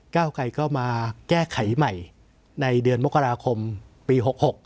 เก้าไกรก็มาแก้ไขใหม่ในเดือนมกราคมปี๖๖